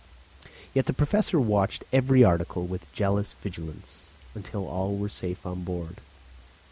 Yet the Professor watched every article with jealous vigilance, until all were safe on board.